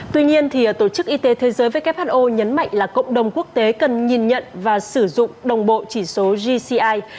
tuy nhiên tổ chức y tế thế giới who nhấn mạnh là cộng đồng quốc tế cần nhìn nhận và sử dụng đồng bộ chỉ số gci